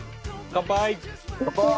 乾杯！